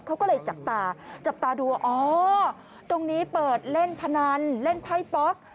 เขาก็เลยจับตาจับตาดูว่าอ๋อตรงนี้เปิดเล่นพนันเล่นไพ่ป๊อก